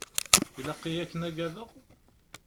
Ilaq-iyi ad ken-agadeɣ?